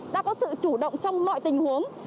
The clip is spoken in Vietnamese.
đã có sự chủ động trong mọi tình huống